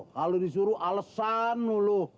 kalo disuruh alesan lo